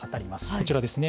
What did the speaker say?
こちらですね。